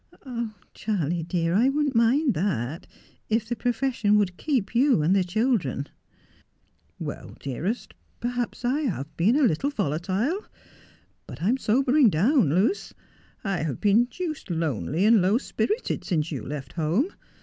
' Ah, Charley dear, I wouldn't mind that, if the profession would keep you and the children.' 'Well, dearest, perhaps I have been a little volatile. But I am sobering down, Luce. I have been deuced lonely and low spirited since you left home.